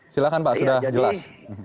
silahkan pak sudah jelas